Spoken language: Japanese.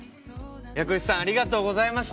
藥師さんありがとうございました。